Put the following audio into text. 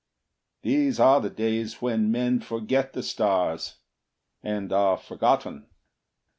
These are the days When men forget the stars, and are forgotten.